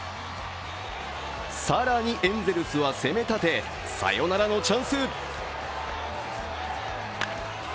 更にエンゼルスは攻め立て、サヨナラのチャンス。